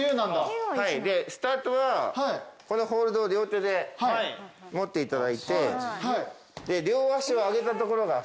でスタートはこのホールドを両手で持っていただいて両足を上げたところがスタートです。